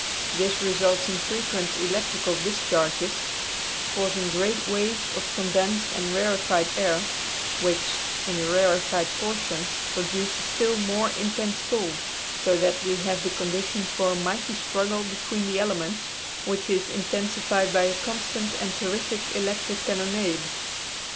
This results in frequent electrical discharges, causing great waves of condensed and rarefied air, which, in the rarefied portions, produces still more intense cold; so that we have the conditions for a mighty struggle between the elements, which is intensified by a constant and terrific electric cannonade.